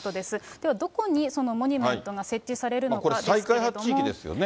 では、どこにそのモニュメントがこれ、再開発地域ですよね。